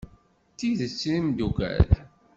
D tidet d imeddukal?